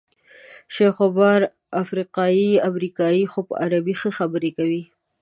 شیخ عمر افریقایی امریکایی دی خو په عربي کې ښې خبرې کوي.